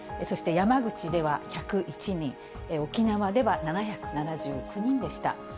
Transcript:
そして山口では１０１人、沖縄では７７９人でした。